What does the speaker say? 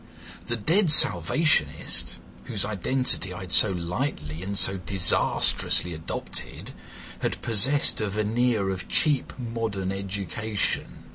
The dead Salvationist, whose identity I had so lightly and so disastrously adopted, had possessed a veneer of cheap modern education.